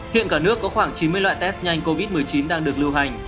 hiện cả nước có khoảng chín mươi loại test nhanh covid một mươi chín đang được lưu hành